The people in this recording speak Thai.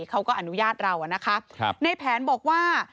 เขาก็อนุญาตเราอะนะคะในแผนบอกว่า